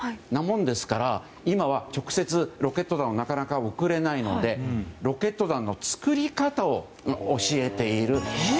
ですから今は直接ロケット弾を送れないのでロケット弾の作り方を教えている。